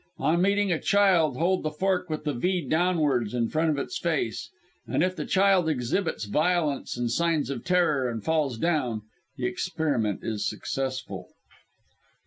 On meeting a child hold the fork with the V downwards in front of its face, and if the child exhibits violence and signs of terror, and falls down, the experiment is successful.